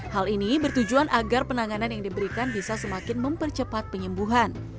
hal ini bertujuan agar penanganan yang diberikan bisa semakin mempercepat penyembuhan